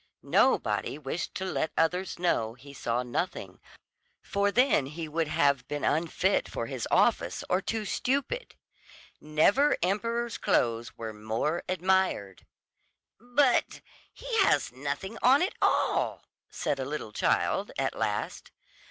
Nobody wished to let others know he saw nothing, for then he would have been unfit for his office or too stupid. Never emperor's clothes were more admired. "But he has nothing on at all," said a little child at last.